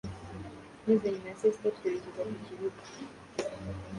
maze nyuma ya saa sita twerekeza ku kibuga